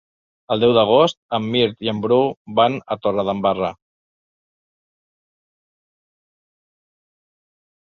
El deu d'agost en Mirt i en Bru van a Torredembarra.